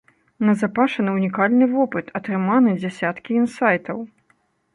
Назапашаны ўнікальны вопыт, атрыманы дзясяткі інсайтаў.